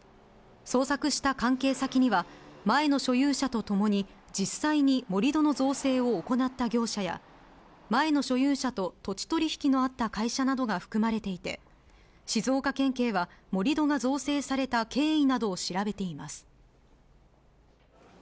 捜索した関係先には、前の所有者と共に、実際に盛り土の造成を行った業者や前の所有者と土地取り引きのあった会社などが含まれていて、静岡県警は盛り土が造成された経緯などを調べています。